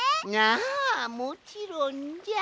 ああもちろんじゃ。